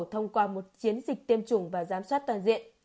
thông qua một chiến dịch tiêm chủng và giám sát toàn diện